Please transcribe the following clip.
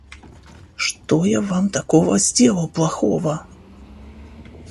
Что я Вам такого сделал плохого?